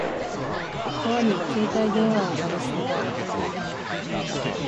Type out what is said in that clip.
川に携帯電話を投げ捨てた。